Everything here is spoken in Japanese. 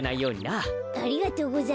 ありがとうございます。